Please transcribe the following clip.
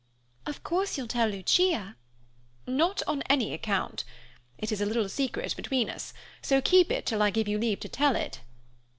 "Of course you'll tell Lucia?" "Not on any account. It is a little secret between us, so keep it till I give you leave to tell it."